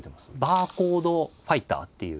「バーコードファイター」っていう。